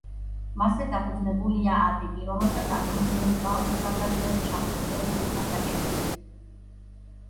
მასზე დაფუძნებულია ატიკი, რომელსაც აგვირგვინებს ბალუსტრადა ზედ ჩამწკრივებული ქანდაკებებით.